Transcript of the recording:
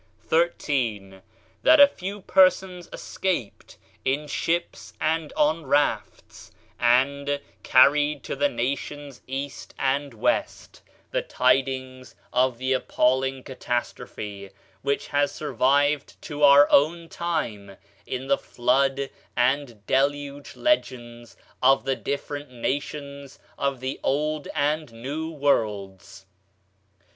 13. That a few persons escaped in ships and on rafts, and, carried to the nations east and west the tidings of the appalling catastrophe, which has survived to our own time in the Flood and Deluge legends of the different nations of the old and new worlds.